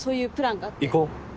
行こう。